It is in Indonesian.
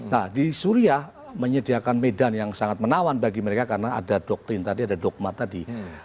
nah di suriah menyediakan medan yang sangat menawan bagi mereka karena ada doktrin tadi ada dogmat tadi